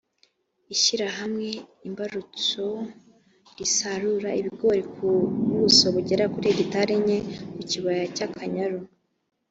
ishyirahamwe imbarutso risarura ibigori ku buso bugera kuri hegitari enye mu kibaya cy’akanyaru